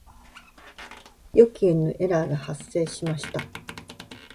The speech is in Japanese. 予期せぬエラーが発生しました。